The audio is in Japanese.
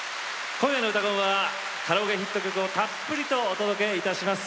今夜の「うたコン」はカラオケヒット曲をたっぷりお届けします。